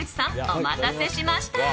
お待たせしました。